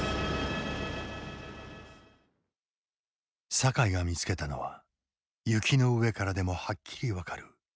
酒井が見つけたのは雪の上からでもはっきり分かる地面の段差。